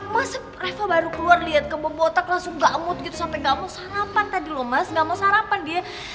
mas reva baru keluar liat kebobotak langsung gamut gitu sampe gak mau sarapan tadi loh mas gak mau sarapan dia